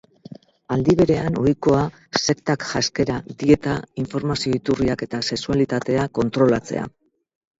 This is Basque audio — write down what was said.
Aldi berean, ohikoa sektak janzkera, dieta, informazio-iturriak eta sexualitatea kontrolatzea.